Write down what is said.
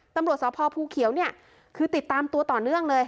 ตำรวจสพภูเขียวเนี่ยคือติดตามตัวต่อเนื่องเลย